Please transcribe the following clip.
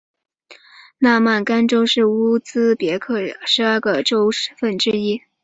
纳曼干州是乌兹别克十二个州份之一。